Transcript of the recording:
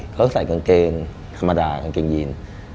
เขาใส่กางเกงธรรมดากางเกงยีน